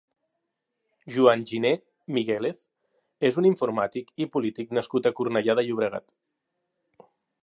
Joan Giner Miguelez és un informàtic i polític nascut a Cornellà de Llobregat.